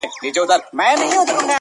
زه به څرنگه دوږخ ته ور روان سم!!